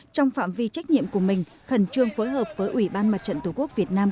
trong phạm vi trách nhiệm của mình khẩn trương phối hợp với ủy ban mặt trận tổ quốc việt nam